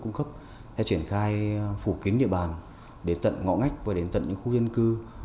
cung cấp hay triển khai phủ kiến địa bàn đến tận ngõ ngách và đến tận những khu dân cư